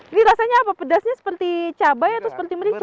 ini rasanya apa pedasnya seperti cabai atau seperti merica